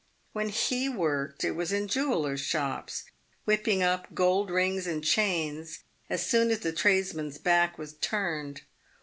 When he worked, it was in jewellers' shops, whipping up gold rings and chains as soon as the tradesman's back was turned.